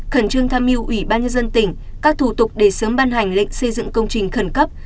khẩn trương tham mưu ubnd tỉnh các thủ tục để sớm ban hành lệnh xây dựng công trình khẩn cấp